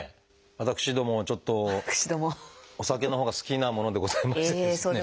私どもちょっとお酒のほうが好きなものでございましてですね。